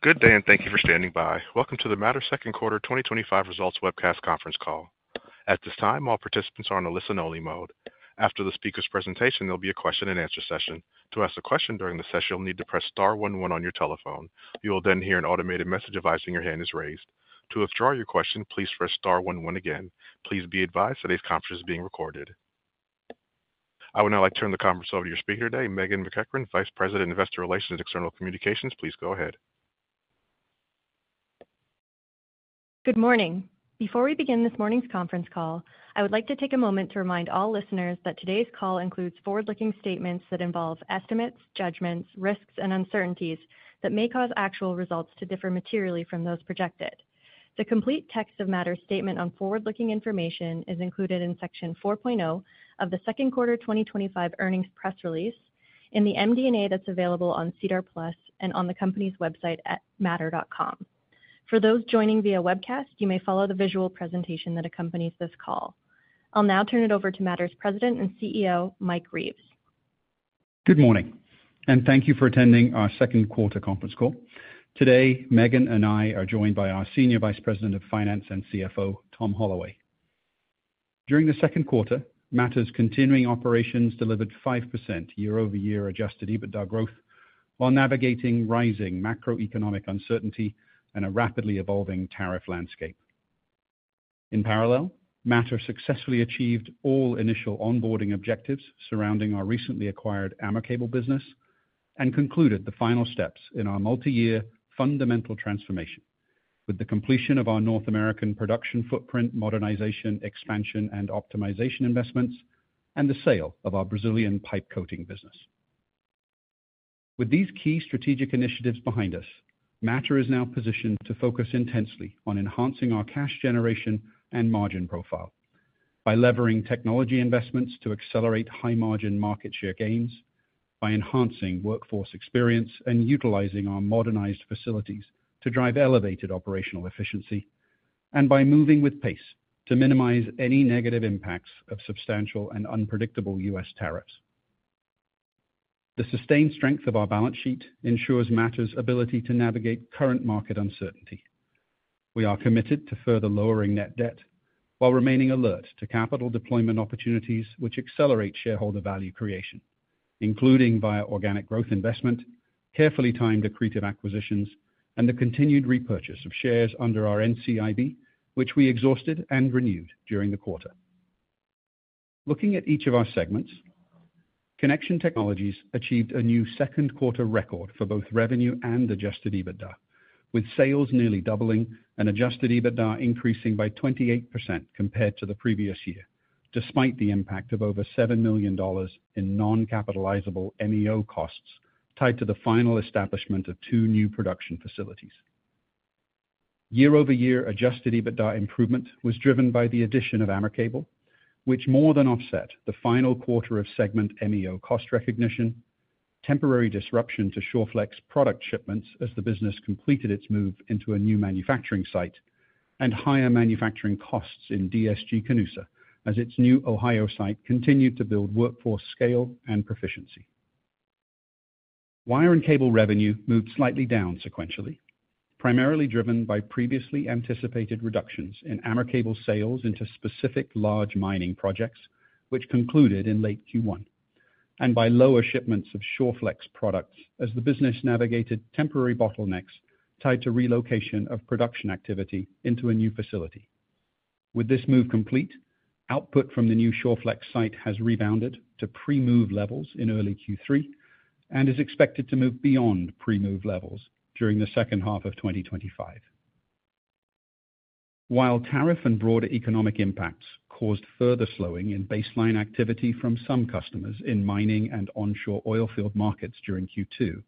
Good day and thank you for standing by. Welcome to the Mattr Second Quarter 2025 Results Webcast Conference Call. At this time, all participants are in a listen-only mode. After the speaker's presentation, there will be a question-and-answer session. To ask a question during the session, you'll need to press star one one on your telephone. You will then hear an automated message advising your hand is raised. To withdraw your question, please press star one one again. Please be advised today's conference is being recorded. I would now like to turn the conference over to your speaker today, Meghan MacEachern, Vice President of Investor Relations and External Communications. Please go ahead. Good morning. Before we begin this morning's conference call, I would like to take a moment to remind all listeners that today's call includes forward-looking statements that involve estimates, judgments, risks, and uncertainties that may cause actual results to differ materially from those projected. The complete text of Mattr's statement on forward-looking information is included in section 4.0 of the Second Quarter 2025 Earnings Press Release in the MD&A that's available on CDAR Plus and on the company's website at mattr.com. For those joining via webcast, you may follow the visual presentation that accompanies this call. I'll now turn it over to Mattr's President and CEO, Mike Reeves. Good morning and thank you for attending our Second Quarter Conference Call. Today, Meghan and I are joined by our Senior Vice President of Finance and CFO, Tom Holloway. During the second quarter, Mattr's continuing operations delivered 5% year-over-year adjusted EBITDA growth while navigating rising macroeconomic uncertainty and a rapidly evolving tariff landscape. In parallel, Mattr successfully achieved all initial onboarding objectives surrounding our recently acquired AmerCable business and concluded the final steps in our multi-year fundamental transformation, with the completion of our North American production footprint modernization, expansion, and optimization investments, and the sale of our Brazilian pipe coating and thermoplastic business. With these key strategic initiatives behind us, Mattr is now positioned to focus intensely on enhancing our cash generation and margin profile by levering technology investments to accelerate high-margin market share gains, by enhancing workforce experience and utilizing our modernized facilities to drive elevated operational efficiency, and by moving with pace to minimize any negative impacts of substantial and unpredictable U.S. tariffs. The sustained strength of our balance sheet ensures Mattr's ability to navigate current market uncertainty. We are committed to further lowering net debt while remaining alert to capital deployment opportunities which accelerate shareholder value creation, including via organic growth investment, carefully timed accretive acquisitions, and the continued repurchase of shares under our NCIB, which we exhausted and renewed during the quarter. Looking at each of our segments, Connection Technologies achieved a new second quarter record for both revenue and adjusted EBITDA, with sales nearly doubling and adjusted EBITDA increasing by 28% compared to the previous year, despite the impact of over 7 million dollars in non-capitalizable MEO costs tied to the final establishment of two new production facilities. Year-over-year adjusted EBITDA improvement was driven by the addition of AmerCable, which more than offset the final quarter of segment MEO cost recognition, temporary disruption to Shawflex product shipments as the business completed its move into a new manufacturing site, and higher manufacturing costs in DSG-Canusa as its new Ohio site continued to build workforce scale and proficiency. Wire and cable revenue moved slightly down sequentially, primarily driven by previously anticipated reductions in AmerCable sales into specific large mining projects, which concluded in late Q1, and by lower shipments of Shawflex products as the business navigated temporary bottlenecks tied to relocation of production activity into a new facility. With this move complete, output from the new Shawflex site has rebounded to pre-move levels in early Q3 and is expected to move beyond pre-move levels during the second half of 2025. While tariff and broader economic impacts caused further slowing in baseline activity from some customers in mining and onshore oilfield markets during Q2,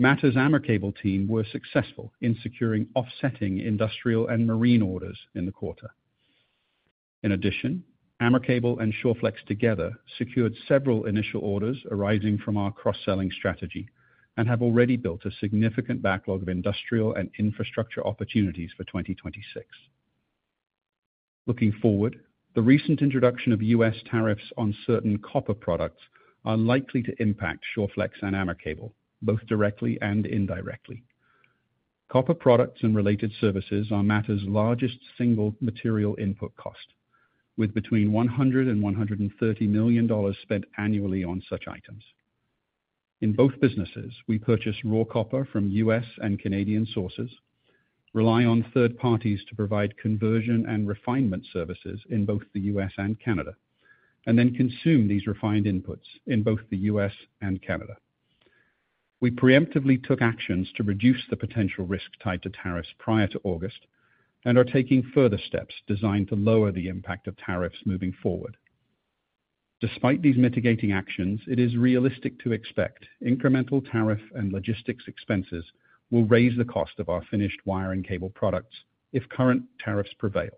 Mattr's AmerCable team were successful in securing offsetting industrial and marine orders in the quarter. In addition, AmerCable and Shawflex together secured several initial orders arising from our cross-selling strategy and have already built a significant backlog of industrial and infrastructure opportunities for 2026. Looking forward, the recent introduction of U.S. tariffs on certain copper products are likely to impact Shawflex and AmerCable, both directly and indirectly. Copper products and related services are Mattr's largest single material input cost, with between 100 million dollars and CAD 130 million spent annually on such items. In both businesses, we purchase raw copper from U.S. and Canadian sources, rely on third parties to provide conversion and refinement services in both the U.S. and Canada, and then consume these refined inputs in both the U.S. and Canada. We preemptively took actions to reduce the potential risk tied to tariffs prior to August and are taking further steps designed to lower the impact of tariffs moving forward. Despite these mitigating actions, it is realistic to expect incremental tariff and logistics expenses will raise the cost of our finished wire and cable products if current tariffs prevail,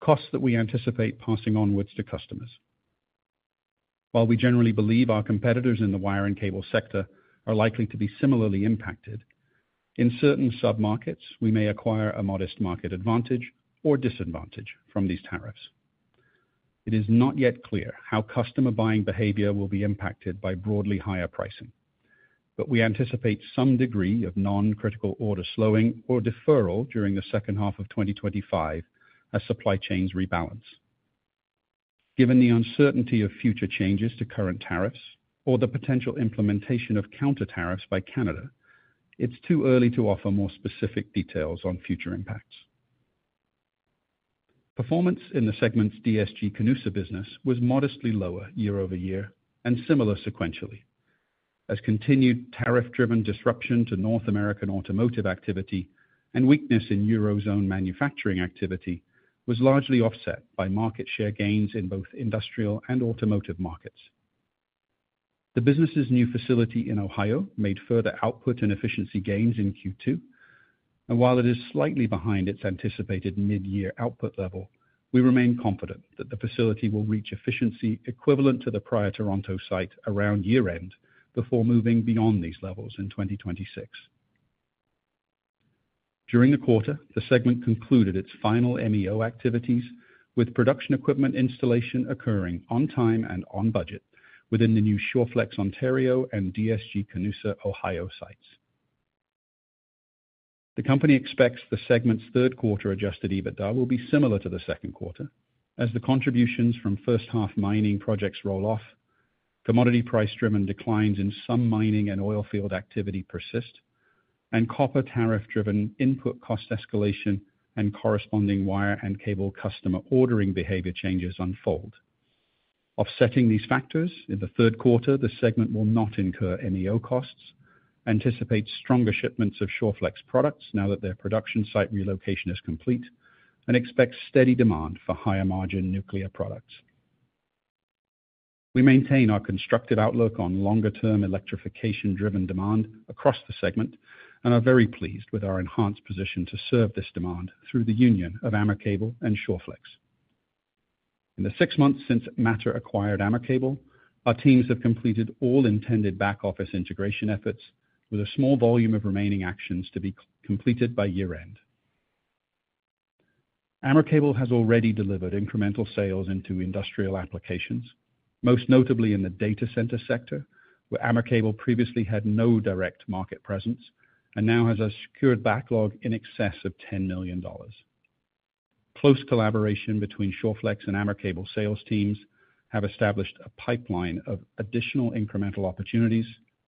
costs that we anticipate passing onwards to customers. While we generally believe our competitors in the wire and cable sector are likely to be similarly impacted, in certain submarkets we may acquire a modest market advantage or disadvantage from these tariffs. It is not yet clear how customer buying behavior will be impacted by broadly higher pricing, but we anticipate some degree of non-critical order slowing or deferral during the second half of 2025 as supply chains rebalance. Given the uncertainty of future changes to current tariffs or the potential implementation of counter tariffs by Canada, it's too early to offer more specific details on future impacts. Performance in the segment's DSG-Canusa business was modestly lower year-over-year and similar sequentially, as continued tariff-driven disruption to North American automotive activity and weakness in Eurozone manufacturing activity was largely offset by market share gains in both industrial and automotive markets. The business's new facility in Ohio made further output and efficiency gains in Q2, and while it is slightly behind its anticipated mid-year output level, we remain confident that the facility will reach efficiency equivalent to the prior Toronto site around year-end before moving beyond these levels in 2026. During the quarter, the segment concluded its final MEO activities with production equipment installation occurring on time and on budget within the new Shawflex Ontario and DSG-Canusa Ohio sites. The company expects the segment's third quarter adjusted EBITDA will be similar to the second quarter as the contributions from first-half mining projects roll off, commodity price-driven declines in some mining and oilfield activity persist, and copper tariff-driven input cost escalation and corresponding wire and cable customer ordering behavior changes unfold. Offsetting these factors, in the third quarter, the segment will not incur MEO costs, anticipate stronger shipments of Shawflex products now that their production site relocation is complete, and expect steady demand for higher margin nuclear products. We maintain our constructive outlook on longer-term electrification-driven demand across the segment and are very pleased with our enhanced position to serve this demand through the union of AmerCable and Shawflex. In the six months since Mattr acquired AmerCable, our teams have completed all intended back-office integration efforts with a small volume of remaining actions to be completed by year-end. AmerCable have already delivered incremental sales into industrial applications, most notably in the data center sector, where AmerCable previously had no direct market presence and now has a secured backlog in excess of 10 million dollars. Close collaboration between Shawflex and AmerCable sales teams have established a pipeline of additional incremental opportunities,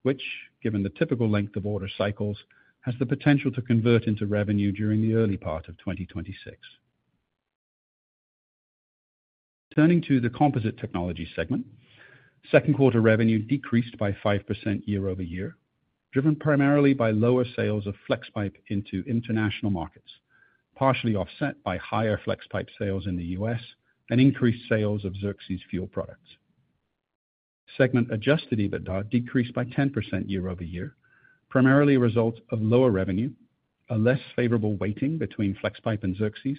which, given the typical length of order cycles, has the potential to convert into revenue during the early part of 2026. Turning to the composite technologies segment, second quarter revenue decreased by 5% year-over-year, driven primarily by lower sales of Flexpipe into international markets, partially offset by higher Flexpipe sales in the U.S. and increased sales of Xerxes fuel products. Segment adjusted EBITDA decreased by 10% year-over-year, primarily a result of lower revenue, a less favorable weighting between Flexpipe and Xerxes,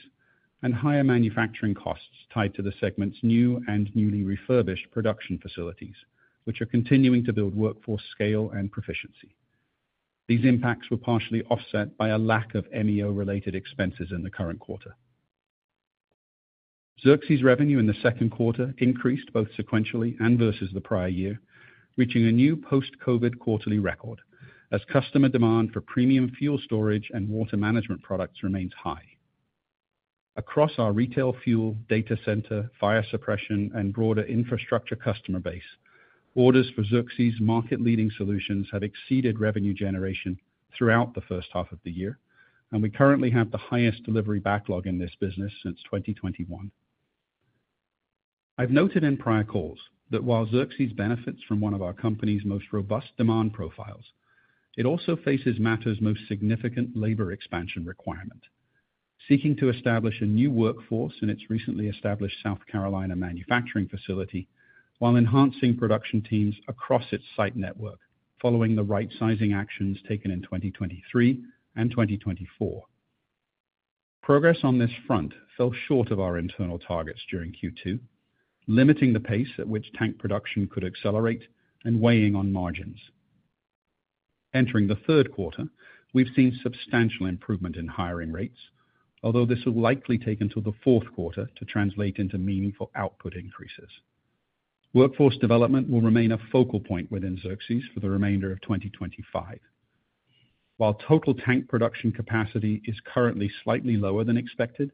and higher manufacturing costs tied to the segment's new and newly refurbished production facilities, which are continuing to build workforce scale and proficiency. These impacts were partially offset by a lack of MEO-related expenses in the current quarter. Xerxes revenue in the second quarter increased both sequentially and versus the prior year, reaching a new post-COVID quarterly record as customer demand for premium fuel storage and water management products remains high. Across our retail fuel, data center, fire suppression, and broader infrastructure customer base, orders for Xerxes' market-leading solutions have exceeded revenue generation throughout the first half of the year, and we currently have the highest delivery backlog in this business since 2021. I've noted in prior calls that while Xerxes benefits from one of our company's most robust demand profiles, it also faces Mattr's most significant labor expansion requirement, seeking to establish a new workforce in its recently established South Carolina manufacturing facility while enhancing production teams across its site network, following the right sizing actions taken in 2023 and 2024. Progress on this front fell short of our internal targets during Q2, limiting the pace at which tank production could accelerate and weighing on margins. Entering the third quarter, we've seen substantial improvement in hiring rates, although this will likely take until the fourth quarter to translate into meaningful output increases. Workforce development will remain a focal point within Xerxes for the remainder of 2025. While total tank production capacity is currently slightly lower than expected,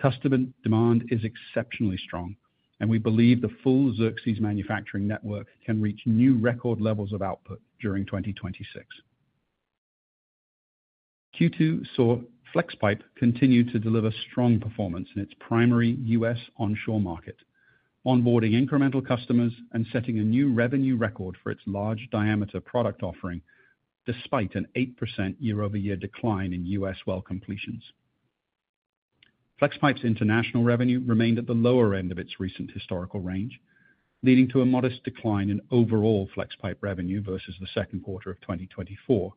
customer demand is exceptionally strong, and we believe the full Xerxes manufacturing network can reach new record levels of output during 2026. Q2 saw Flexpipe continue to deliver strong performance in its primary U.S. onshore market, onboarding incremental customers and setting a new revenue record for its large diameter product offering, despite an 8% year-over-year decline in U.S. well completions. Flexpipe's international revenue remained at the lower end of its recent historical range, leading to a modest decline in overall Flexpipe revenue versus the second quarter of 2024,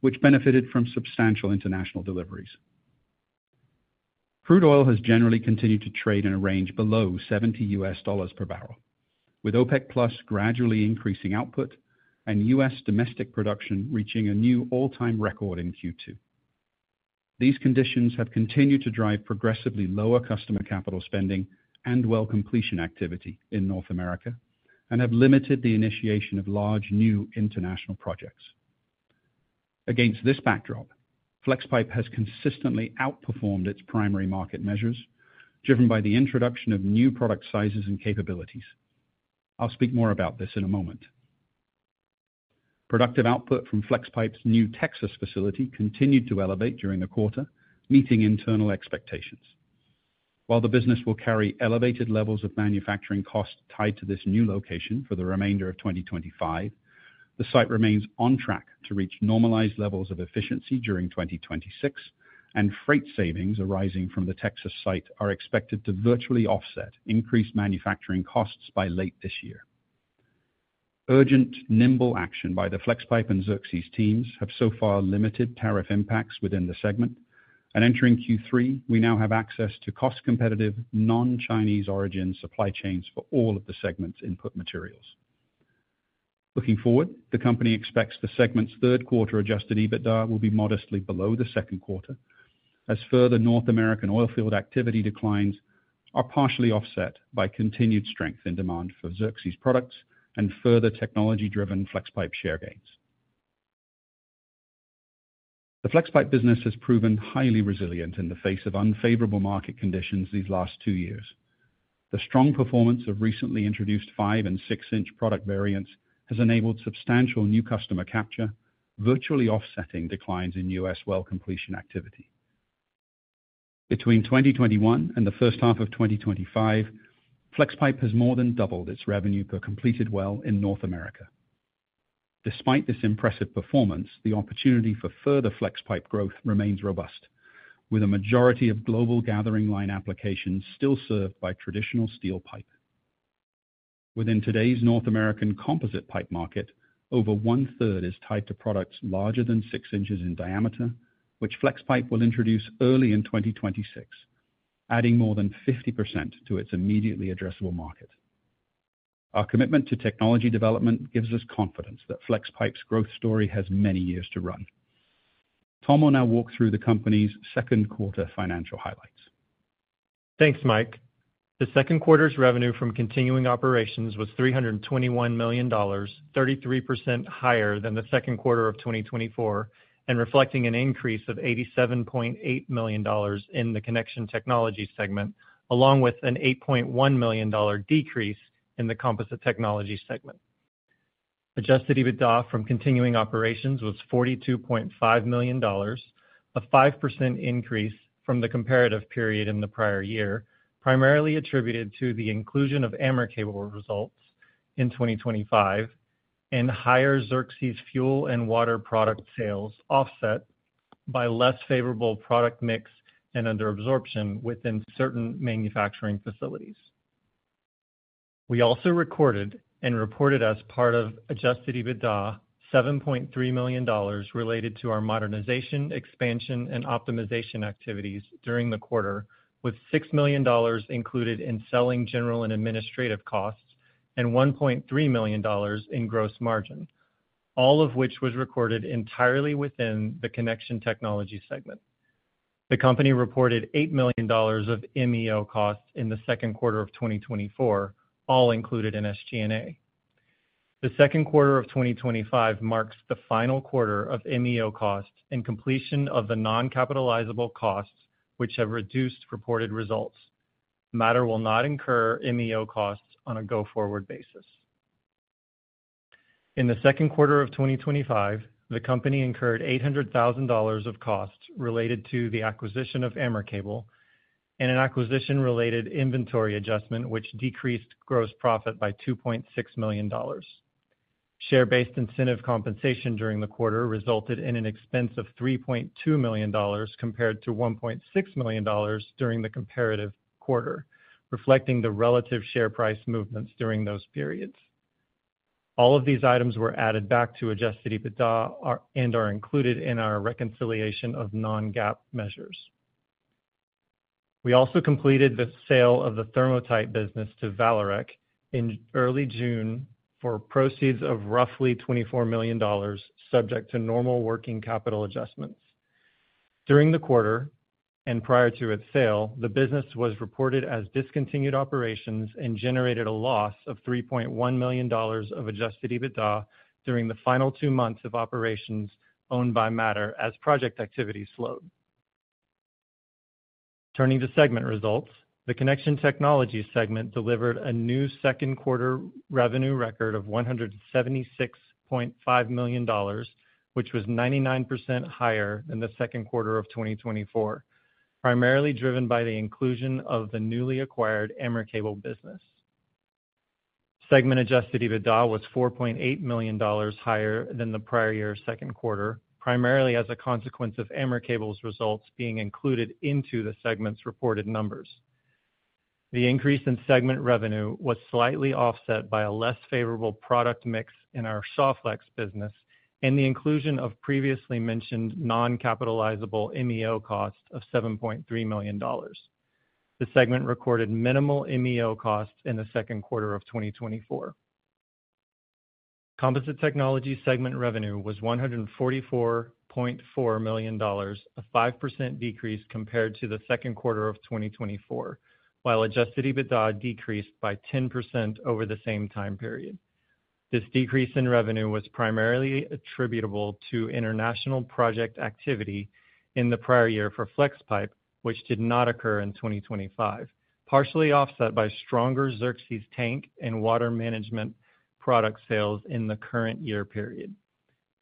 which benefited from substantial international deliveries. Crude oil has generally continued to trade in a range below CAD 70 per barrel, with OPEC Plus gradually increasing output and U.S. domestic production reaching a new all-time record in Q2. These conditions have continued to drive progressively lower customer capital spending and well completion activity in North America and have limited the initiation of large new international projects. Against this backdrop, Flexpipe has consistently outperformed its primary market measures, driven by the introduction of new product sizes and capabilities. I'll speak more about this in a moment. Productive output from Flexpipe's new Texas facility continued to elevate during the quarter, meeting internal expectations. While the business will carry elevated levels of manufacturing costs tied to this new location for the remainder of 2025, the site remains on track to reach normalized levels of efficiency during 2026, and freight savings arising from the Texas site are expected to virtually offset increased manufacturing costs by late this year. Urgent, nimble action by the Flexpipe and Xerxes teams have so far limited tariff impacts within the segment, and entering Q3, we now have access to cost-competitive non-Chinese origin supply chains for all of the segment's input materials. Looking forward, the company expects the segment's third quarter adjusted EBITDA will be modestly below the second quarter, as further North American oilfield activity declines are partially offset by continued strength in demand for Xerxes products and further technology-driven Flexpipe share gains. The Flexpipe business has proven highly resilient in the face of unfavorable market conditions these last two years. The strong performance of recently introduced 5 in and 6 in product variants has enabled substantial new customer capture, virtually offsetting declines in U.S. well completion activity. Between 2021 and the first half of 2025, Flexpipe has more than doubled its revenue per completed well in North America. Despite this impressive performance, the opportunity for further Flexpipe growth remains robust, with a majority of global gathering line applications still served by traditional steel pipe. Within today's North American composite pipe market, over one-third is tied to products larger than 6 in in diameter, which Flexpipe will introduce early in 2026, adding more than 50% to its immediately addressable market. Our commitment to technology development gives us confidence that Flexpipe's growth story has many years to run. Tom will now walk through the company's second quarter financial highlights. Thanks, Mike. The second quarter's revenue from continuing operations was 321 million dollars, 33% higher than the second quarter of 2024, and reflecting an increase of 87.8 million dollars in the Connection Technologies segment, along with an 8.1 million dollar decrease in the Composite Technologies segment. Adjusted EBITDA from continuing operations was 42.5 million dollars, a 5% increase from the comparative period in the prior year, primarily attributed to the inclusion of AmerCable results in 2025 and higher Xerxes fuel and water product sales offset by less favorable product mix and under absorption within certain manufacturing facilities. We also recorded and reported as part of adjusted EBITDA 7.3 million dollars related to our modernization, expansion, and optimization activities during the quarter, with 6 million dollars included in selling, general, and administrative costs and 1.3 million dollars in gross margin, all of which was recorded entirely within the Connection Technologies segment. The company reported 8 million dollars of MEO costs in the second quarter of 2024, all included in SG&A. The second quarter of 2025 marks the final quarter of MEO costs and completion of the non-capitalizable costs, which have reduced reported results. Mattr will not incur MEO costs on a go-forward basis. In the second quarter of 2025, the company incurred 800,000 dollars of costs related to the acquisition of AmerCable and an acquisition-related inventory adjustment, which decreased gross profit by 2.6 million dollars. Share-based incentive compensation during the quarter resulted in an expense of 3.2 million dollars compared to 1.6 million dollars during the comparative quarter, reflecting the relative share price movements during those periods. All of these items were added back to adjusted EBITDA and are included in our reconciliation of non-GAAP measures. We also completed the sale of the thermoplastic business to Vallourec in early June for proceeds of roughly 24 million dollars, subject to normal working capital adjustments. During the quarter and prior to its sale, the business was reported as discontinued operations and generated a loss of 3.1 million dollars of adjusted EBITDA during the final two months of operations owned by Mattr as project activity slowed. Turning to segment results, the Connection Technologies segment delivered a new second quarter revenue record of 176.5 million dollars, which was 99% higher than the second quarter of 2024, primarily driven by the inclusion of the newly acquired AmerCable business. Segment adjusted EBITDA was 4.8 million dollars higher than the prior year's second quarter, primarily as a consequence of AmerCable's results being included into the segment's reported numbers. The increase in segment revenue was slightly offset by a less favorable product mix in our Shawflex business and the inclusion of previously mentioned non-capitalizable MEO costs of 7.3 million dollars. The segment recorded minimal MEO costs in the second quarter of 2024. Composite Technologies segment revenue was 144.4 million dollars, a 5% decrease compared to the second quarter of 2024, while adjusted EBITDA decreased by 10% over the same time period. This decrease in revenue was primarily attributable to international project activity in the prior year for Flexpipe, which did not occur in 2025, partially offset by stronger Xerxes tank and water management product sales in the current year period.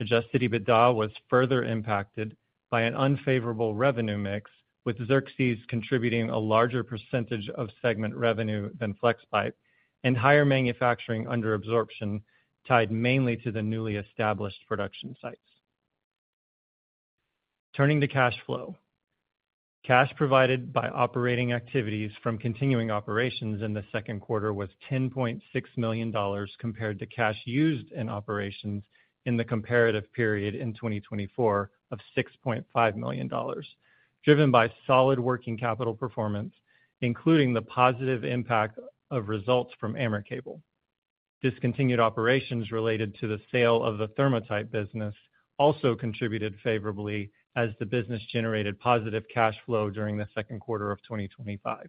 Adjusted EBITDA was further impacted by an unfavorable revenue mix, with Xerxes contributing a larger percentage of segment revenue than Flexpipe and higher manufacturing under absorption tied mainly to the newly established production sites. Turning to cash flow, cash provided by operating activities from continuing operations in the second quarter was 10.6 million dollars compared to cash used in operations in the comparative period in 2024 of 6.5 million dollars, driven by solid working capital performance, including the positive impact of results from AmerCable. Discontinued operations related to the sale of the thermoplastic business also contributed favorably as the business generated positive cash flow during the second quarter of 2025.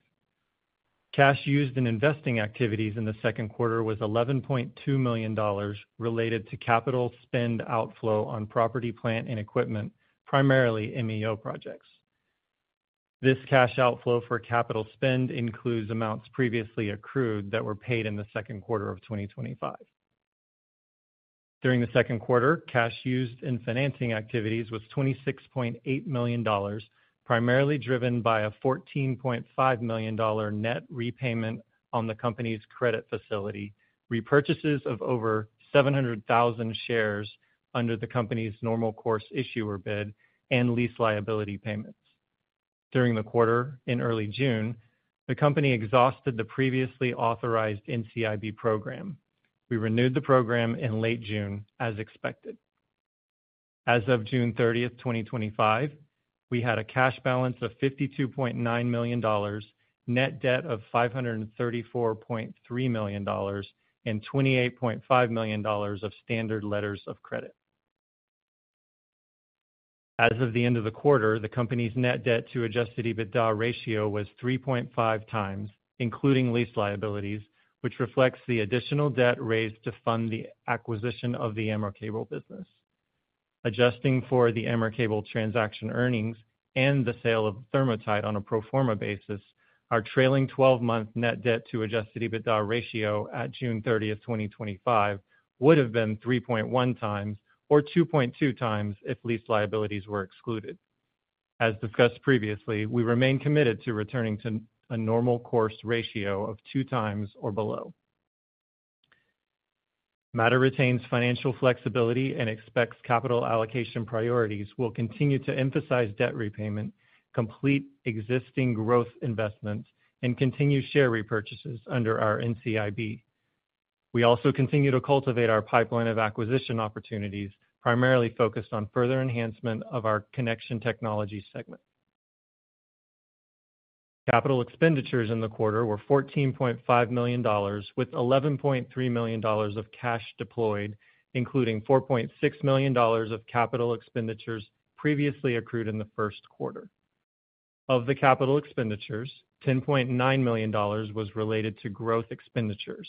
Cash used in investing activities in the second quarter was 11.2 million dollars related to capital spend outflow on property, plant, and equipment, primarily MEO projects. This cash outflow for capital spend includes amounts previously accrued that were paid in the second quarter of 2025. During the second quarter, cash used in financing activities was 26.8 million dollars, primarily driven by a 14.5 million dollar net repayment on the company's credit facility, repurchases of over 700,000 shares under the company's normal course issuer bid, and lease liability payments. During the quarter in early June, the company exhausted the previously authorized NCIB program. We renewed the program in late June, as expected. As of June 30, 2025, we had a cash balance of 52.9 million dollars, net debt of 534.3 million dollars, and 28.5 million dollars of standard letters of credit. As of the end of the quarter, the company's net debt to adjusted EBITDA ratio was 3.5 times, including lease liabilities, which reflects the additional debt raised to fund the acquisition of the AmerCable business. Adjusting for the AmerCable transaction earnings and the sale of thermoplastic on a pro forma basis, our trailing 12-month net debt to adjusted EBITDA ratio at June 30, 2025, would have been 3.1 times or 2.2 times if lease liabilities were excluded. As discussed previously, we remain committed to returning to a normal course ratio of two times or below. Mattr retains financial flexibility and expects capital allocation priorities. We'll continue to emphasize debt repayment, complete existing growth investment, and continue share repurchases under our NCIB. We also continue to cultivate our pipeline of acquisition opportunities, primarily focused on further enhancement of our Connection Technologies segment. Capital expenditures in the quarter were 14.5 million dollars, with 11.3 million dollars of cash deployed, including 4.6 million dollars of capital expenditures previously accrued in the first quarter. Of the capital expenditures, 10.9 million dollars was related to growth expenditures.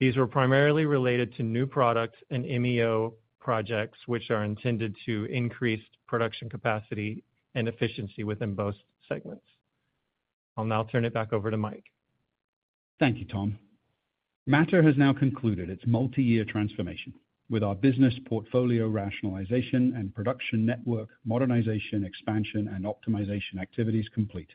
These were primarily related to new products and MEO projects, which are intended to increase production capacity and efficiency within both segments. I'll now turn it back over to Mike. Thank you, Tom. Mattr has now concluded its multi-year transformation, with our business portfolio rationalization and production network modernization, expansion, and optimization activities complete.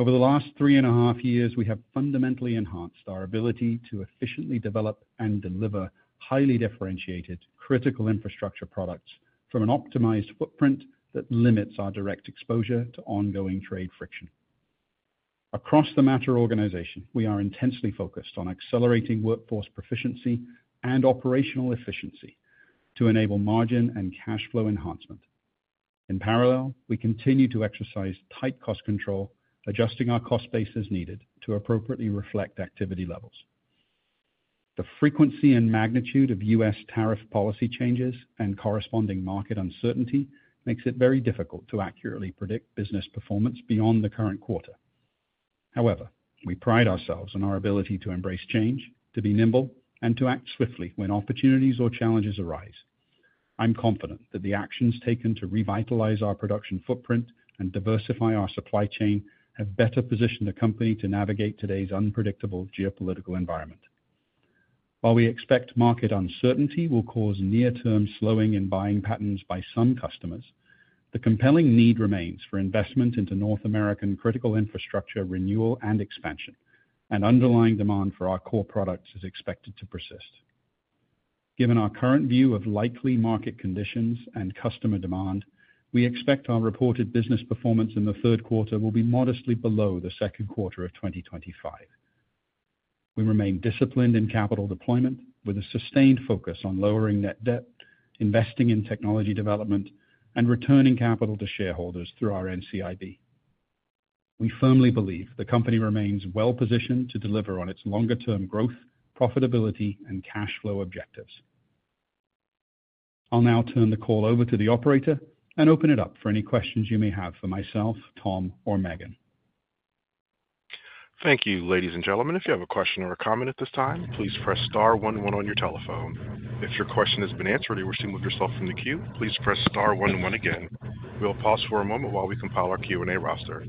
Over the last three and a half years, we have fundamentally enhanced our ability to efficiently develop and deliver highly differentiated, critical infrastructure products from an optimized footprint that limits our direct exposure to ongoing trade friction. Across the Mattr organization, we are intensely focused on accelerating workforce proficiency and operational efficiency to enable margin and cash flow enhancement. In parallel, we continue to exercise tight cost control, adjusting our cost base as needed to appropriately reflect activity levels. The frequency and magnitude of U.S. tariff policy changes and corresponding market uncertainty make it very difficult to accurately predict business performance beyond the current quarter. However, we pride ourselves on our ability to embrace change, to be nimble, and to act swiftly when opportunities or challenges arise. I'm confident that the actions taken to revitalize our production footprint and diversify our supply chain have better positioned the company to navigate today's unpredictable geopolitical environment. While we expect market uncertainty will cause near-term slowing in buying patterns by some customers, the compelling need remains for investment into North American critical infrastructure renewal and expansion, and underlying demand for our core products is expected to persist. Given our current view of likely market conditions and customer demand, we expect our reported business performance in the third quarter will be modestly below the second quarter of 2025. We remain disciplined in capital deployment, with a sustained focus on lowering net debt, investing in technology development, and returning capital to shareholders through our NCIB. We firmly believe the company remains well-positioned to deliver on its longer-term growth, profitability, and cash flow objectives. I'll now turn the call over to the operator and open it up for any questions you may have for myself, Tom, or Meghan. Thank you, ladies and gentlemen. If you have a question or a comment at this time, please press star one one on your telephone. If your question has been answered or you were seen with yourself in the queue, please press star one one again. We'll pause for a moment while we compile our Q&A roster.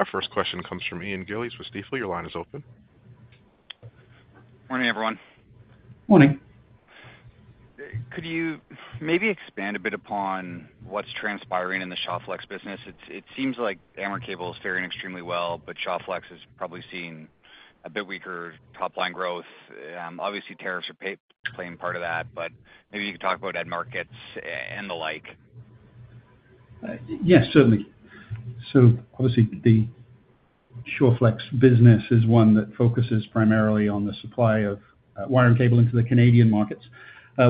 Our first question comes from Ian Brooks Gillies with Stifel. Your line is open. Morning, everyone. Morning. Could you maybe expand a bit upon what's transpiring in the Shawflex business? It seems like AmerCable is faring extremely well, but Shawflex has probably seen a bit weaker top-line growth. Obviously, tariffs are playing part of that, but maybe you could talk about end markets and the like. Yes, certainly. Obviously, the Shawflex business is one that focuses primarily on the supply of wire and cable into the Canadian markets.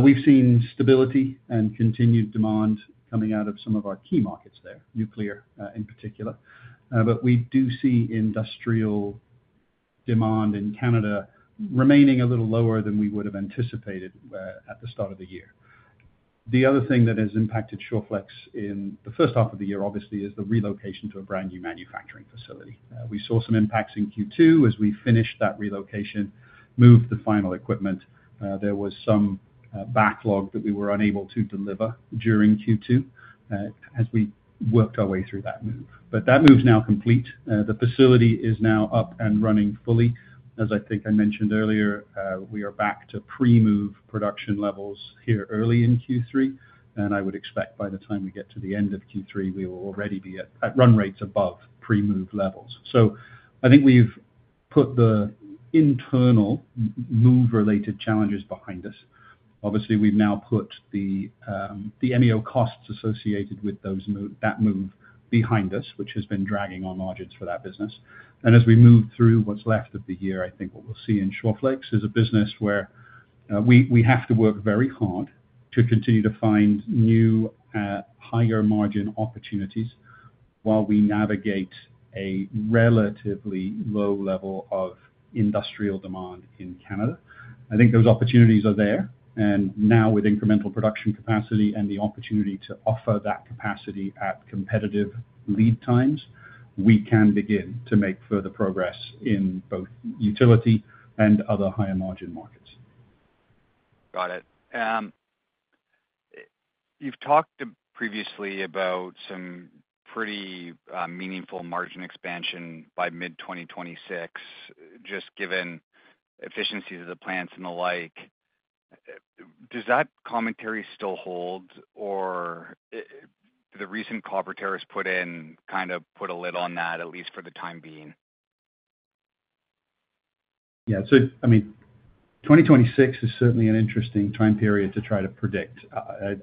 We've seen stability and continued demand coming out of some of our key markets there, nuclear in particular, but we do see industrial demand in Canada remaining a little lower than we would have anticipated at the start of the year. The other thing that has impacted Shawflex in the first half of the year, obviously, is the relocation to a brand new manufacturing facility. We saw some impacts in Q2 as we finished that relocation, moved the final equipment. There was some backlog that we were unable to deliver during Q2 as we worked our way through that move. That move is now complete. The facility is now up and running fully. As I think I mentioned earlier, we are back to pre-move production levels here early in Q3, and I would expect by the time we get to the end of Q3, we will already be at run rates above pre-move levels. I think we've put the internal move-related challenges behind us. Obviously, we've now put the MEO costs associated with that move behind us, which has been dragging on margins for that business. As we move through what's left of the year, I think what we'll see in Shawflex is a business where we have to work very hard to continue to find new higher margin opportunities while we navigate a relatively low level of industrial demand in Canada. I think those opportunities are there, and now with incremental production capacity and the opportunity to offer that capacity at competitive lead times, we can begin to make further progress in both utility and other higher margin markets. Got it. You've talked previously about some pretty meaningful margin expansion by mid-2026, just given efficiencies of the plants and the like. Does that commentary still hold, or the recent Coverterra's put in kind of put a lid on that, at least for the time being? Yeah, 2026 is certainly an interesting time period to try to predict.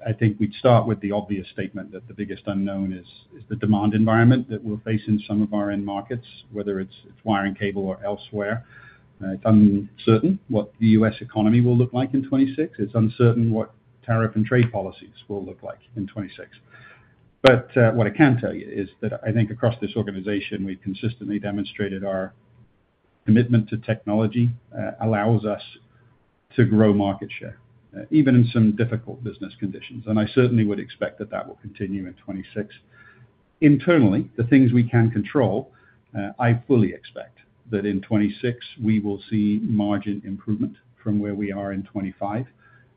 I think we'd start with the obvious statement that the biggest unknown is the demand environment that we're facing in some of our end markets, whether it's wire and cable or elsewhere. It's uncertain what the U.S. economy will look like in 2026. It's uncertain what tariff and trade policies will look like in 2026. What I can tell you is that I think across this organization, we've consistently demonstrated our commitment to technology that allows us to grow market share, even in some difficult business conditions, and I certainly would expect that that will continue in 2026. Internally, the things we can control, I fully expect that in 2026 we will see margin improvement from where we are in 2025,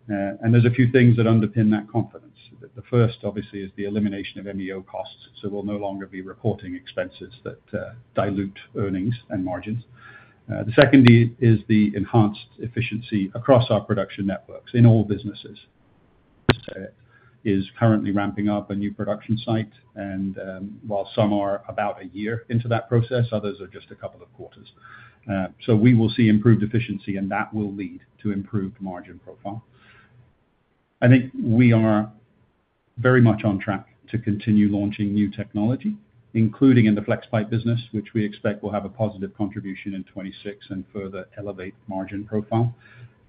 and there's a few things that underpin that confidence. The first, obviously, is the elimination of MEO costs, so we'll no longer be reporting expenses that dilute earnings and margins. The second is the enhanced efficiency across our production networks in all businesses. I say it is currently ramping up a new production site, and while some are about a year into that process, others are just a couple of quarters. We will see improved efficiency, and that will lead to improved margin profile. I think we are very much on track to continue launching new technology, including in the Flexpipe business, which we expect will have a positive contribution in 2026 and further elevate margin profile.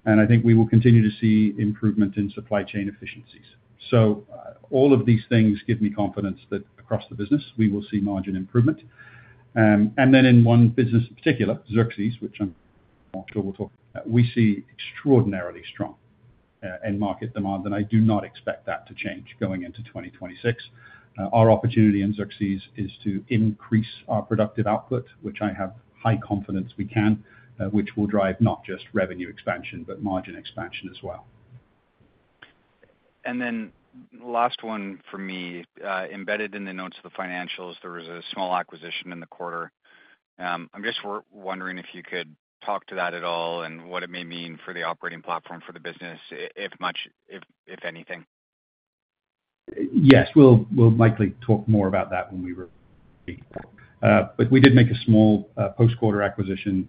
I think we will continue to see improvement in supply chain efficiencies. All of these things give me confidence that across the business, we will see margin improvement. In one business in particular, Xerxes, which I'm sure we'll talk about, we see extraordinarily strong end market demand, and I do not expect that to change going into 2026. Our opportunity in Xerxes is to increase our productive output, which I have high confidence we can, which will drive not just revenue expansion, but margin expansion as well. Last one for me, embedded in the notes of the financials, there was a small acquisition in the quarter. I'm just wondering if you could talk to that at all and what it may mean for the operating platform for the business, if much, if anything. We'll likely talk more about that when we speak. We did make a small post-quarter acquisition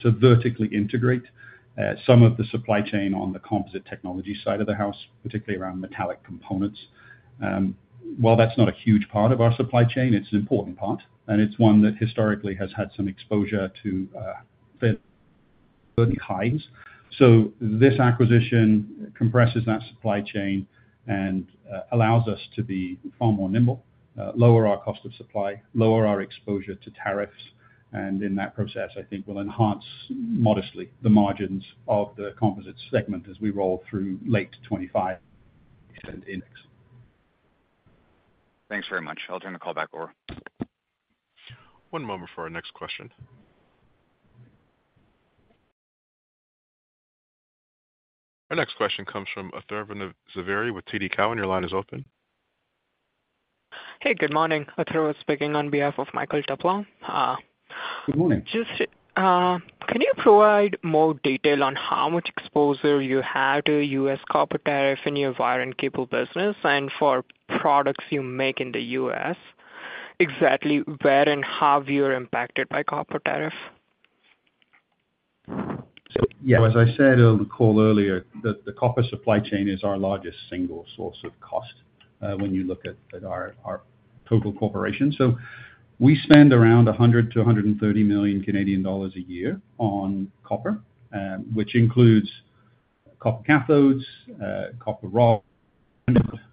to vertically integrate some of the supply chain on the composite technologies side of the house, particularly around metallic components. While that's not a huge part of our supply chain, it's an important part, and it's one that historically has had some exposure to fairly high tariffs. This acquisition compresses that supply chain and allows us to be far more nimble, lower our cost of supply, lower our exposure to tariffs, and in that process, I think we'll enhance modestly the margins of the composite segment as we roll through late 2025 index. Thanks very much. I'll turn the call back over. One moment for our next question. Our next question comes from Atharva Zaveri with TD Cowen. Your line is open. Hey, good morning. Atharva speaking on behalf of Michael Teplo. Good morning. Can you provide more detail on how much exposure you had to U.S. copper tariff in your wire and cable business and for products you make in the U.S.? Exactly where and how you're impacted by copper tariff? As I said on the call earlier, the copper supply chain is our largest single source of cost when you look at our total corporation. We spend around 100 million-130 million Canadian dollars a year on copper, which includes copper cathodes, copper rods,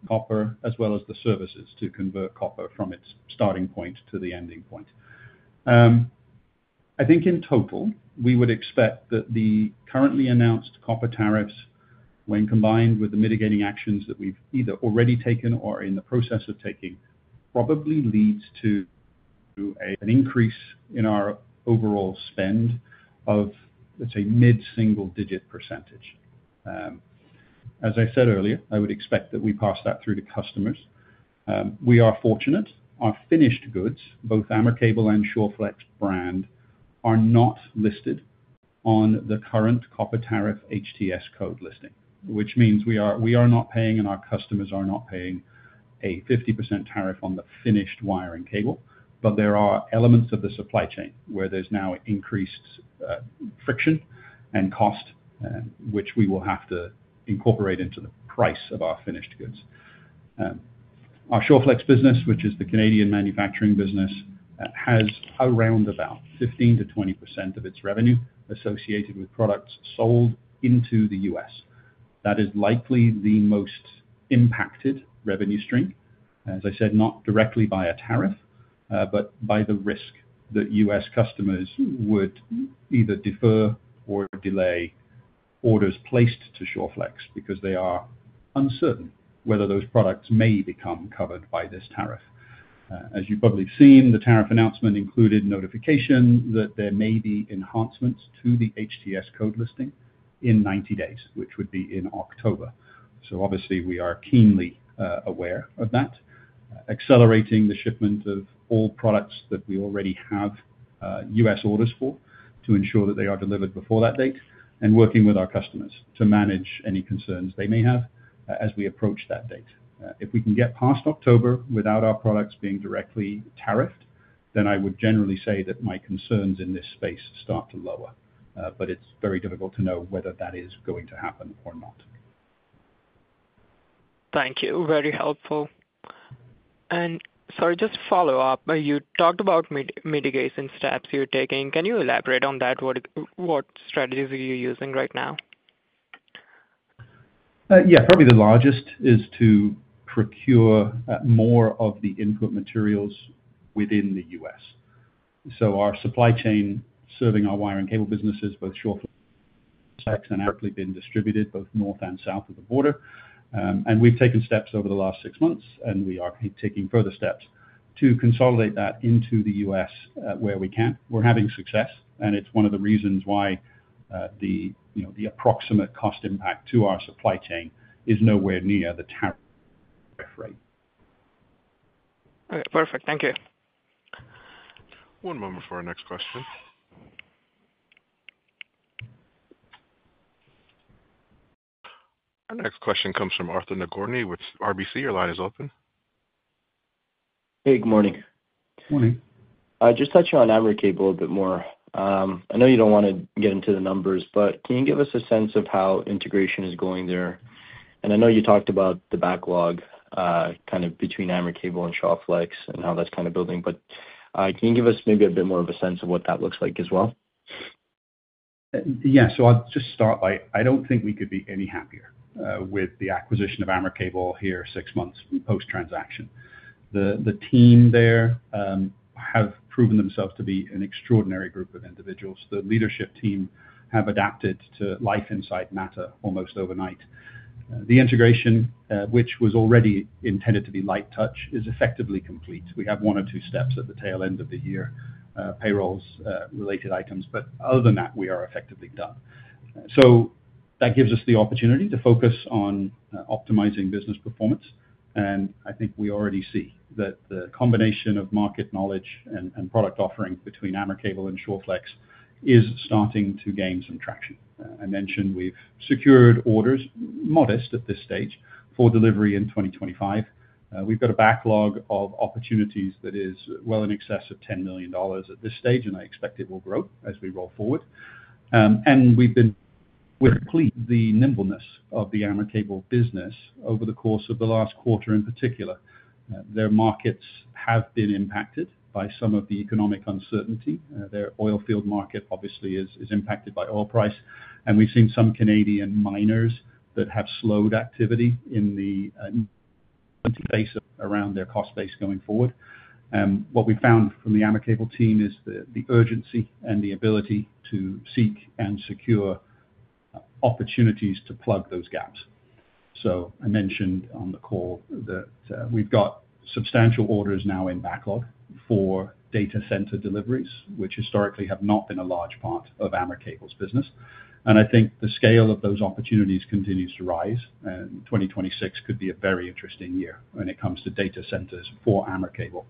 copper, as well as the services to convert copper from its starting point to the ending point. I think in total, we would expect that the currently announced copper tariffs, when combined with the mitigating actions that we've either already taken or are in the process of taking, probably lead to an increase in our overall spend of, let's say, mid-single-digit percentage. As I said earlier, I would expect that we pass that through to customers. We are fortunate. Our finished goods, both AmerCable and Shawflex brand, are not listed on the current copper tariff HTS code listing, which means we are not paying and our customers are not paying a 50% tariff on the finished wire and cable, but there are elements of the supply chain where there's now increased friction and cost, which we will have to incorporate into the price of our finished goods. Our Shawflex business, which is the Canadian manufacturing business, has around about 15%-20% of its revenue associated with products sold into the U.S. That is likely the most impacted revenue string, not directly by a tariff, but by the risk that U.S. customers would either defer or delay orders placed to Shawflex because they are uncertain whether those products may become covered by this tariff. As you've probably seen, the tariff announcement included notification that there may be enhancements to the HTS code listing in 90 days, which would be in October. We are keenly aware of that, accelerating the shipment of all products that we already have U.S. orders for to ensure that they are delivered before that date and working with our customers to manage any concerns they may have as we approach that date. If we can get past October without our products being directly tariffed, then I would generally say that my concerns in this space start to lower, but it's very difficult to know whether that is going to happen or not. Thank you. Very helpful. Sorry, just to follow up, you talked about mitigation steps you're taking. Can you elaborate on that? What strategies are you using right now? Yeah, probably the largest is to procure more of the input materials within the U.S. Our supply chain serving our wire and cable businesses, both Shawflex and AmerCable, has been distributed both north and south of the border. We've taken steps over the last six months, and we are taking further steps to consolidate that into the U.S. where we can. We're having success, and it's one of the reasons why the approximate cost impact to our supply chain is nowhere near the tariff rate. All right, perfect. Thank you. One moment for our next question. Our next question comes from Arthur Nagorny, which is RBC. Your line is open. Hey, good morning. Morning. I just touched on AmerCable a bit more. I know you don't want to get into the numbers, but can you give us a sense of how integration is going there? I know you talked about the backlog kind of between AmerCable and Shawflex and how that's kind of building, but can you give us maybe a bit more of a sense of what that looks like as well? I don't think we could be any happier with the acquisition of AmerCable here six months post-transaction. The team there have proven themselves to be an extraordinary group of individuals. The leadership team have adapted to life inside Mattr almost overnight. The integration, which was already intended to be light touch, is effectively complete. We have one or two steps at the tail end of the year, payrolls-related items, but other than that, we are effectively done. That gives us the opportunity to focus on optimizing business performance, and I think we already see that the combination of market knowledge and product offering between AmerCable and Shawflex is starting to gain some traction. I mentioned we've secured orders, modest at this stage, for delivery in 2025. We've got a backlog of opportunities that is well in excess of 10 million dollars at this stage, and I expect it will grow as we roll forward. We've been impressed with the nimbleness of the AmerCable business over the course of the last quarter in particular. Their markets have been impacted by some of the economic uncertainty. Their oilfield market obviously is impacted by oil price, and we've seen some Canadian miners that have slowed activity in the interface around their cost base going forward. What we found from the AmerCable team is the urgency and the ability to seek and secure opportunities to plug those gaps. I mentioned on the call that we've got substantial orders now in backlog for data center deliveries, which historically have not been a large part of AmerCable's business. I think the scale of those opportunities continues to rise, and 2026 could be a very interesting year when it comes to data centers for AmerCable.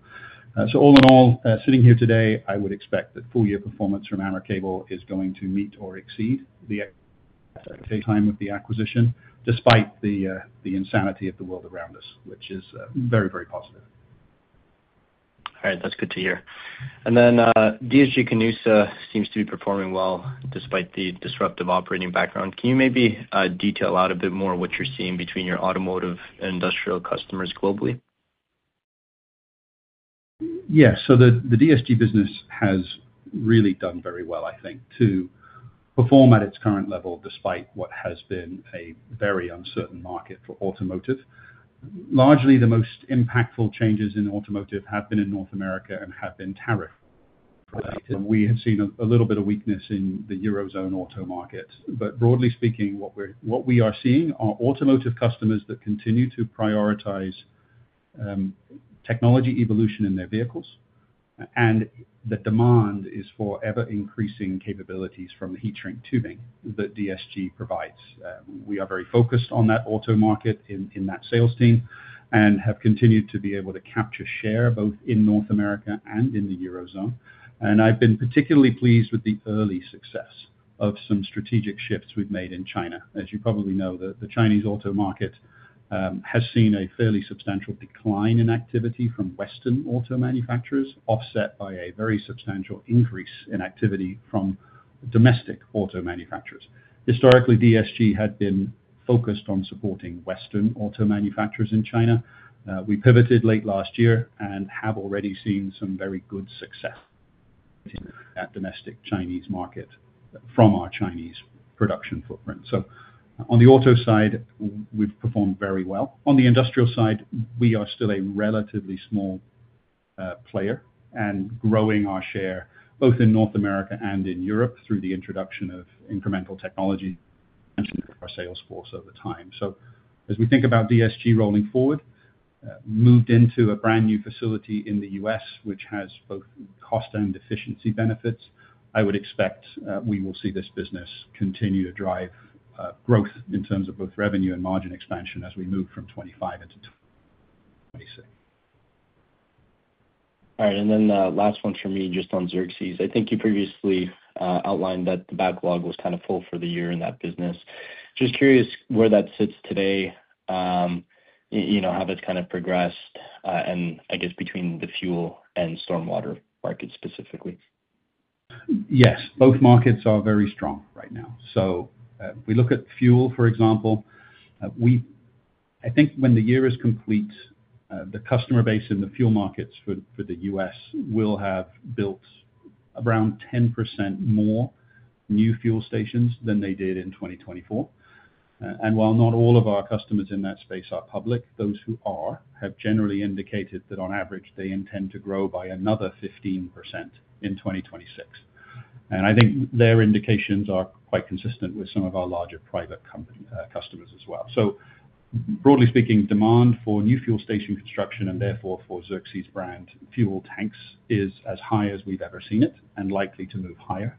All in all, sitting here today, I would expect that full-year performance from AmerCable is going to meet or exceed the time of the acquisition, despite the insanity of the world around us, which is very, very positive. All right, that's good to hear. DSG-Canusa seems to be performing well despite the disruptive operating background. Can you maybe detail out a bit more what you're seeing between your automotive and industrial customers globally? Yeah, so the DSG business has really done very well, I think, to perform at its current level despite what has been a very uncertain market for automotive. Largely, the most impactful changes in automotive have been in North America and have been tariff-related. We have seen a little bit of weakness in the Eurozone auto market, but broadly speaking, what we are seeing are automotive customers that continue to prioritize technology evolution in their vehicles, and the demand is for ever-increasing capabilities from the heat shrink tubing that DSG provides. We are very focused on that auto market in that sales team and have continued to be able to capture share both in North America and in the Eurozone. I've been particularly pleased with the early success of some strategic shifts we've made in China. As you probably know, the Chinese auto market has seen a fairly substantial decline in activity from Western auto manufacturers, offset by a very substantial increase in activity from domestic auto manufacturers. Historically, DSG had been focused on supporting Western auto manufacturers in China. We pivoted late last year and have already seen some very good success in that domestic Chinese market from our Chinese production footprint. On the auto side, we've performed very well. On the industrial side, we are still a relatively small player and growing our share both in North America and in Europe through the introduction of incremental technology and our sales force over time. As we think about DSG rolling forward, moved into a brand new facility in the U.S., which has both cost and efficiency benefits, I would expect we will see this business continue to drive growth in terms of both revenue and margin expansion as we move from 2025 into 2026. All right, and then the last one for me just on Xerxes. I think you previously outlined that the backlog was kind of full for the year in that business. Just curious where that sits today, you know how that's kind of progressed, and I guess between the fuel and stormwater markets specifically. Yes, both markets are very strong right now. We look at fuel, for example. I think when the year is complete, the customer base in the fuel markets for the U.S. will have built around 10% more new fuel stations than they did in 2024. While not all of our customers in that space are public, those who are have generally indicated that on average they intend to grow by another 15% in 2026. I think their indications are quite consistent with some of our larger private customers as well. Broadly speaking, demand for new fuel station construction and therefore for Xerxes brand fuel tanks is as high as we've ever seen it and likely to move higher.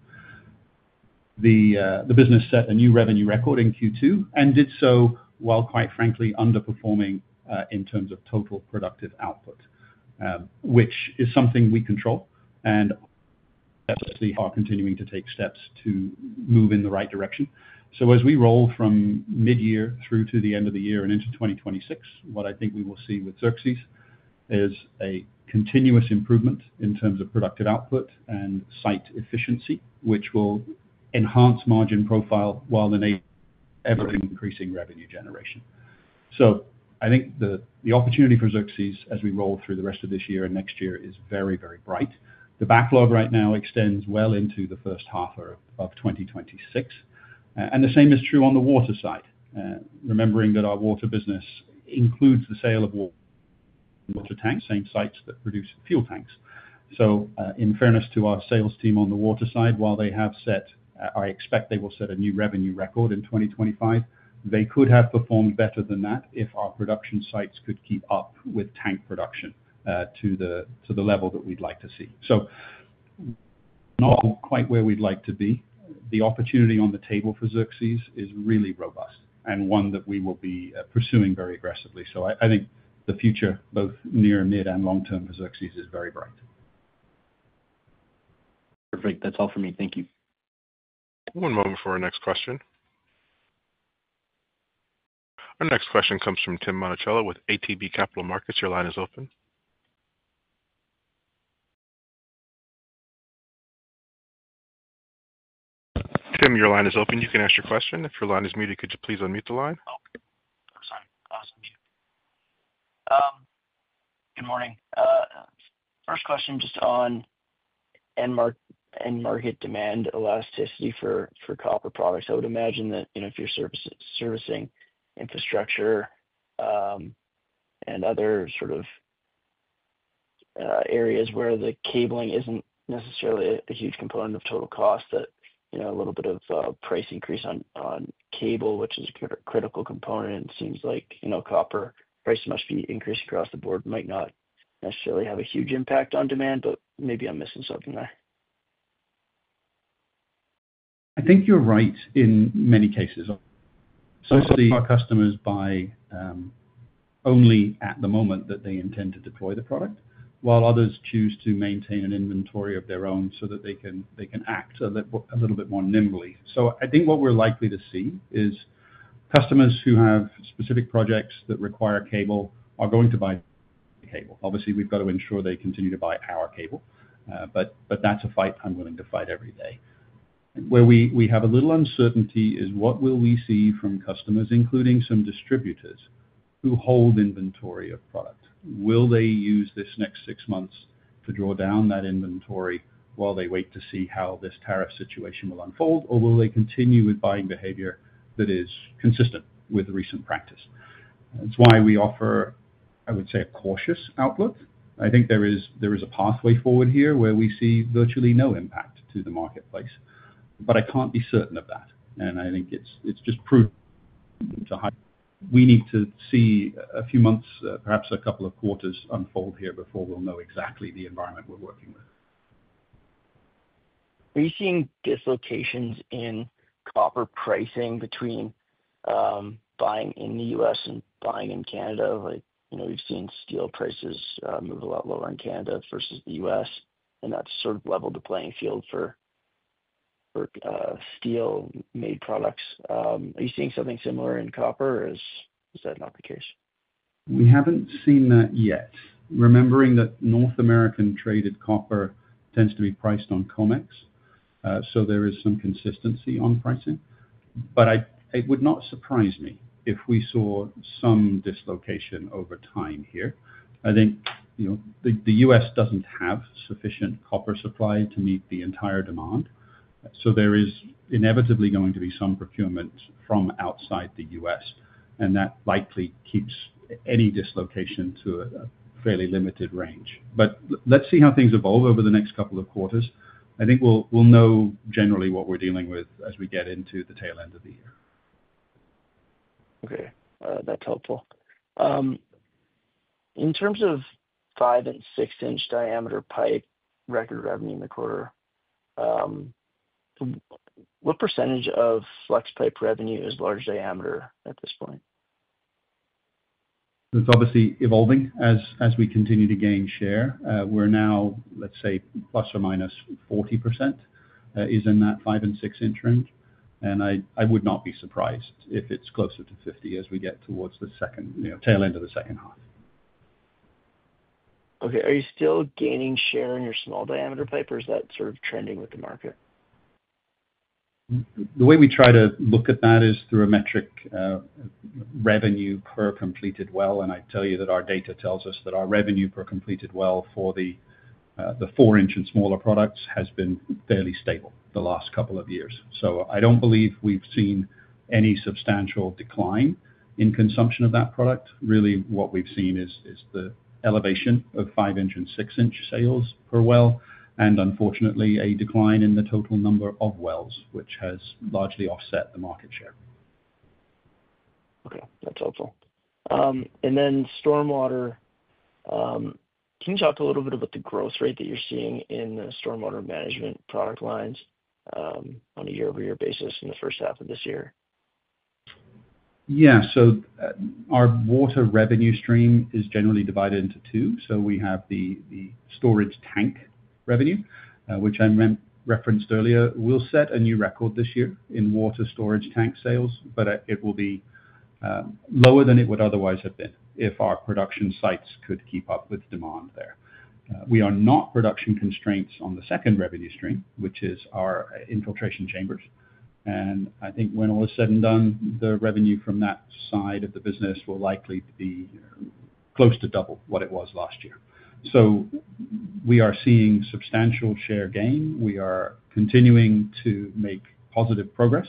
The business set a new revenue record in Q2 and did so while, quite frankly, underperforming in terms of total productive output, which is something we control and definitely are continuing to take steps to move in the right direction. As we roll from mid-year through to the end of the year and into 2026, what I think we will see with Xerxes is a continuous improvement in terms of productive output and site efficiency, which will enhance margin profile while enabling increasing revenue generation. I think the opportunity for Xerxes as we roll through the rest of this year and next year is very, very bright. The backlog right now extends well into the first half of 2026. The same is true on the water side, remembering that our water business includes the sale of water tanks, same sites that produce fuel tanks. In fairness to our sales team on the water side, while they have set, I expect they will set a new revenue record in 2025, they could have performed better than that if our production sites could keep up with tank production to the level that we'd like to see. Not quite where we'd like to be. The opportunity on the table for Xerxes is really robust and one that we will be pursuing very aggressively. I think the future, both near, mid, and long term for Xerxes is very bright. Perfect. That's all for me. Thank you. One moment for our next question. Our next question comes from Tim Monachello with ATB Capital Markets. Your line is open. Tim, your line is open. You can ask your question. If your line is muted, could you please unmute the line? Okay. I'm sorry. I was muted. Good morning. First question just on end market demand elasticity for copper products. I would imagine that, you know, if you're servicing infrastructure and other sort of areas where the cabling isn't necessarily a huge component of total cost, that, you know, a little bit of a price increase on cable, which is a critical component, seems like, you know, copper prices must be increased across the board, might not necessarily have a huge impact on demand, but maybe I'm missing something there. I think you're right in many cases. Our customers buy only at the moment that they intend to deploy the product, while others choose to maintain an inventory of their own so that they can act a little bit more nimbly. I think what we're likely to see is customers who have specific projects that require cable are going to buy cable. Obviously, we've got to ensure they continue to buy our cable, but that's a fight I'm willing to fight every day. Where we have a little uncertainty is what will we see from customers, including some distributors who hold inventory of product. Will they use this next six months to draw down that inventory while they wait to see how this tariff situation will unfold, or will they continue with buying behavior that is consistent with recent practice? That's why we offer, I would say, a cautious outlook. I think there is a pathway forward here where we see virtually no impact to the marketplace, but I can't be certain of that. I think it's just prudent to hide it. We need to see a few months, perhaps a couple of quarters unfold here before we'll know exactly the environment we're working with. Are you seeing dislocations in copper pricing between buying in the U.S. and buying in Canada? Like, you know, we've seen steel prices move a lot lower in Canada versus the U.S., and that's sort of leveled the playing field for steel-made products. Are you seeing something similar in copper, or is that not the case? We haven't seen that yet. Remembering that North American traded copper tends to be priced on COMEX, so there is some consistency on pricing. It would not surprise me if we saw some dislocation over time here. I think the U.S. doesn't have sufficient copper supply to meet the entire demand. There is inevitably going to be some procurement from outside the U.S., and that likely keeps any dislocation to a fairly limited range. Let's see how things evolve over the next couple of quarters. I think we'll know generally what we're dealing with as we get into the tail end of the year. Okay, that's helpful. In terms of five and 6 in diameter pipe record revenue in the quarter, what percentage of Flexpipe revenue is large diameter at this point? That's obviously evolving as we continue to gain share. We're now, let's say, ±40% is in that five and 6 in range. I would not be surprised if it's closer to 50% as we get towards the tail end of the second half. Okay, are you still gaining share in your small diameter pipe, or is that sort of trending with the market? The way we try to look at that is through a metric: revenue per completed well. I'd tell you that our data tells us that our revenue per completed well for the 4 in and smaller products has been fairly stable the last couple of years. I don't believe we've seen any substantial decline in consumption of that product. Really, what we've seen is the elevation of 5 in and 6 in sales per well, and unfortunately, a decline in the total number of wells, which has largely offset the market share. Okay, that's helpful. Can you talk a little bit about the growth rate that you're seeing in the stormwater management product lines on a year-over-year basis in the first half of this year? Yeah, our water revenue stream is generally divided into two. We have the storage tank revenue, which I referenced earlier. We'll set a new record this year in water storage tank sales, but it will be lower than it would otherwise have been if our production sites could keep up with demand there. We are not production constraints on the second revenue stream, which is our infiltration chambers. I think when all is said and done, the revenue from that side of the business will likely be close to double what it was last year. We are seeing substantial share gain. We are continuing to make positive progress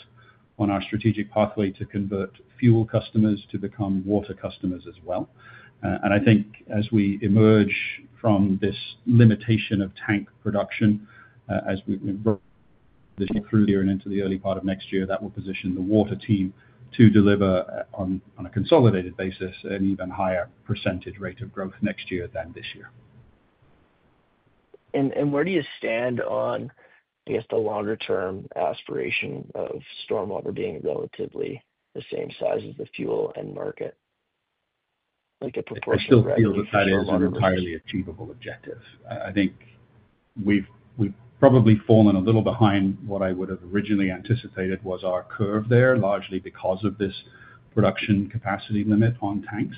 on our strategic pathway to convert fuel customers to become water customers as well. I think as we emerge from this limitation of tank production, as we move earlier and into the early part of next year, that will position the water team to deliver on a consolidated basis an even higher percentage rate of growth next year than this year. Where do you stand on the longer-term aspiration of stormwater being relatively the same size as the fuel end market? I think the fuel side is an entirely achievable objective. I think we've probably fallen a little behind what I would have originally anticipated was our curve there, largely because of this production capacity limit on tanks.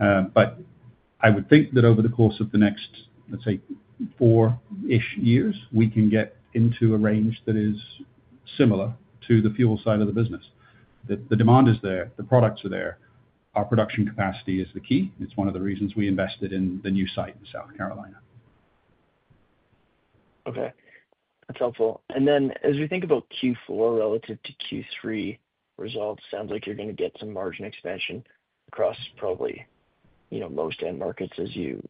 I would think that over the course of the next, let's say, four-ish years, we can get into a range that is similar to the fuel side of the business. The demand is there, the products are there, and our production capacity is the key. It's one of the reasons we invested in the new site in South Carolina. Okay, that's helpful. As we think about Q4 relative to Q3 results, it sounds like you're going to get some margin expansion across probably, you know, most end markets as you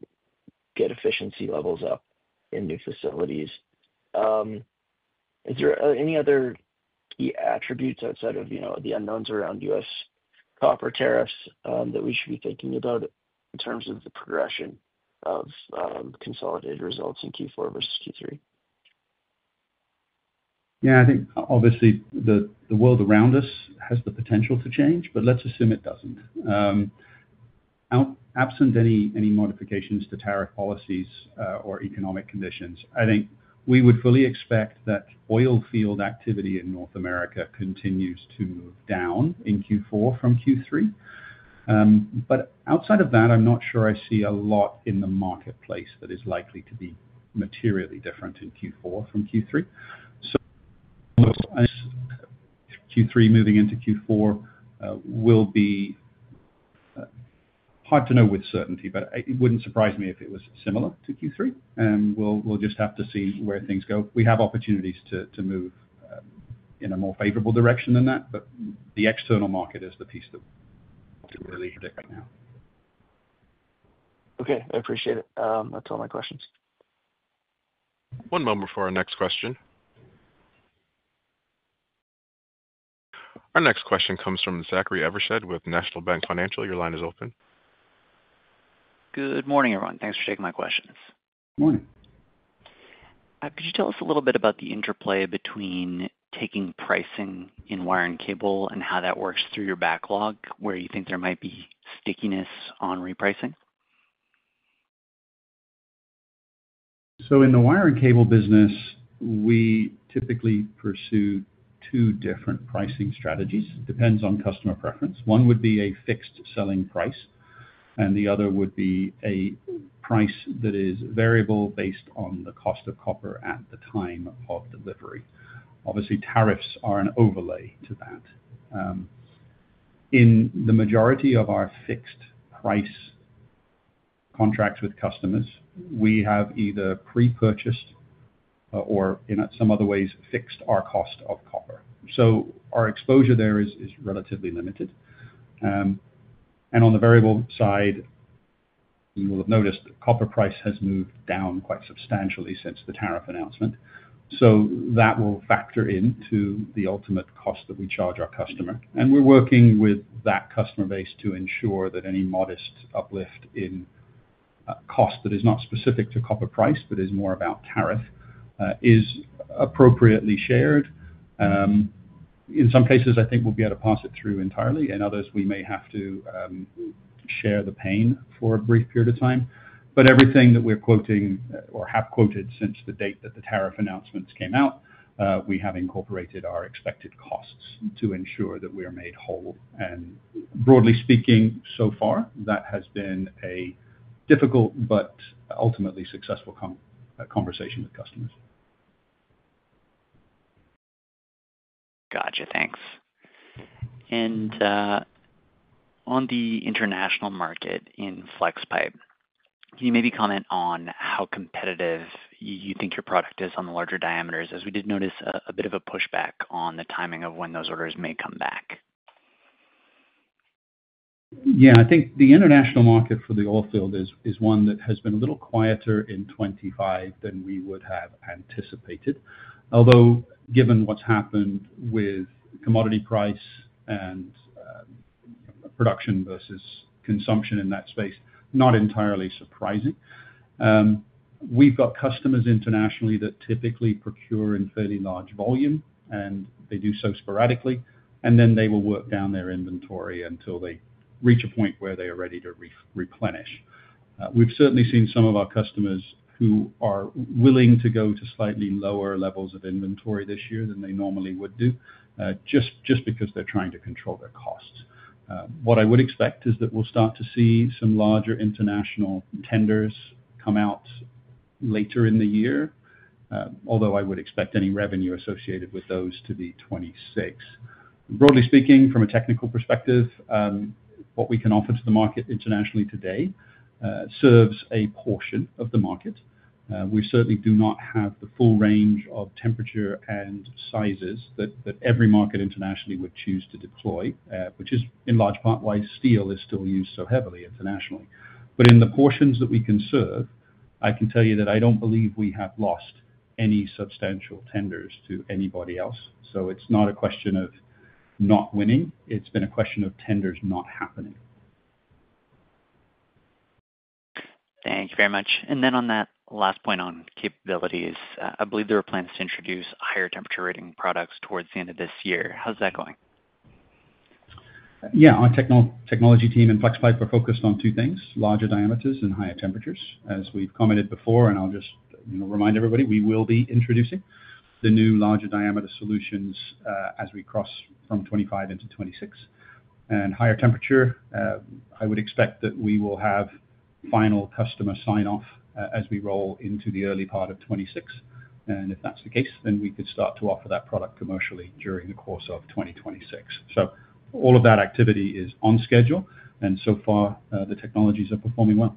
get efficiency levels up in new facilities. Are there any other key attributes outside of, you know, the unknowns around U.S. copper tariffs that we should be thinking about in terms of the progression of consolidated results in Q4 versus Q3? Yeah, I think obviously the world around us has the potential to change, but let's assume it doesn't. Absent any modifications to tariff policies or economic conditions, I think we would fully expect that oilfield activity in North America continues to move down in Q4 from Q3. Outside of that, I'm not sure I see a lot in the marketplace that is likely to be materially different in Q4 from Q3. Q3 moving into Q4 will be hard to know with certainty, but it wouldn't surprise me if it was similar to Q3. We'll just have to see where things go. We have opportunities to move in a more favorable direction than that, but the external market is the piece that really predicts now. Okay, I appreciate it. That's all my questions. One moment for our next question. Our next question comes from Zachary Evershed with National Bank Financial. Your line is open. Good morning, everyone. Thanks for taking my questions. Morning. Could you tell us a little bit about the interplay between taking pricing in wire and cable, and how that works through your backlog, where you think there might be stickiness on repricing? In the wire and cable business, we typically pursue two different pricing strategies. It depends on customer preference. One would be a fixed selling price, and the other would be a price that is variable based on the cost of copper at the time of delivery. Obviously, tariffs are an overlay to that. In the majority of our fixed price contracts with customers, we have either pre-purchased or in some other ways fixed our cost of copper. Our exposure there is relatively limited. On the variable side, you will have noticed the copper price has moved down quite substantially since the tariff announcement. That will factor into the ultimate cost that we charge our customer. We're working with that customer base to ensure that any modest uplift in cost that is not specific to copper price, but is more about tariff, is appropriately shared. In some places, I think we'll be able to pass it through entirely. In others, we may have to share the pain for a brief period of time. Everything that we're quoting or have quoted since the date that the tariff announcements came out, we have incorporated our expected costs to ensure that we are made whole. Broadly speaking, so far, that has been a difficult but ultimately successful conversation with customers. Thanks. On the international market in Flexpipe, can you maybe comment on how competitive you think your product is on the larger diameters as we did notice a bit of a pushback on the timing of when those orders may come back? Yeah, I think the international market for the oilfield is one that has been a little quieter in 2025 than we would have anticipated. Although, given what's happened with commodity price and production versus consumption in that space, not entirely surprising. We've got customers internationally that typically procure in fairly large volume, and they do so sporadically. They will work down their inventory until they reach a point where they are ready to replenish. We've certainly seen some of our customers who are willing to go to slightly lower levels of inventory this year than they normally would do, just because they're trying to control their costs. What I would expect is that we'll start to see some larger international tenders come out later in the year, although I would expect any revenue associated with those to be 2026. Broadly speaking, from a technical perspective, what we can offer to the market internationally today serves a portion of the market. We certainly do not have the full range of temperature and sizes that every market internationally would choose to deploy, which is in large part why steel is still used so heavily internationally. In the portions that we can serve, I can tell you that I don't believe we have lost any substantial tenders to anybody else. It's not a question of not winning. It's been a question of tenders not happening. Thank you very much. On that last point on capabilities, I believe there are plans to introduce higher temperature rating products towards the end of this year. How's that going? Yeah, our technology team in Flexpipe are focused on two things: larger diameters and higher temperatures. As we've commented before, I'll just remind everybody, we will be introducing the new larger diameter solutions as we cross from 2025 into 2026. Higher temperature, I would expect that we will have final customer sign-off as we roll into the early part of 2026. If that's the case, then we could start to offer that product commercially during the course of 2026. All of that activity is on schedule, and so far, the technologies are performing well.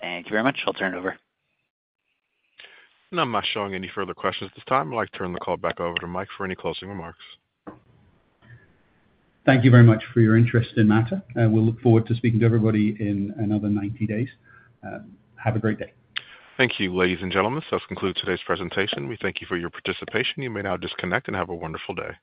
Thank you very much. I'll turn it over. Not much showing any further questions at this time. I'd like to turn the call back over to Mike for any closing remarks. Thank you very much for your interest in Mattr. We'll look forward to speaking to everybody in another 90 days. Have a great day. Thank you, ladies and gentlemen. That concludes today's presentation. We thank you for your participation. You may now disconnect and have a wonderful day.